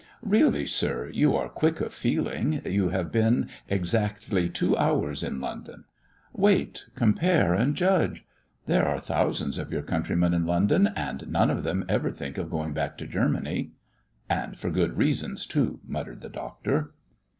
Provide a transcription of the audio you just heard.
"Really, Sir, you are quick of feeling. You have been exactly two hours in London. Wait, compare, and judge. There are thousands of your countrymen in London, and none of them ever think of going back to Germany." "And for good reasons too," muttered the Doctor.